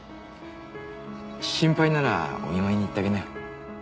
心配ならお見舞いに行ってあげなよ。